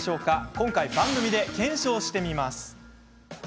今回、番組で検証してみます。